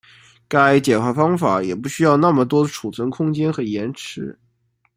该简化方法也不需要那么多存储空间和延迟。